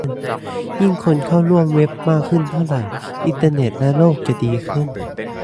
ยิ่งคนมาเข้าร่วมเว็บมากขึ้นเท่าไร อินเทอร์เน็ตและโลกจะยิ่งดีขึ้น